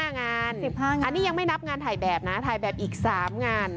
อันนี้ยังไม่นับงานถ่ายแบบนะถ่ายแบบอีก๓งาน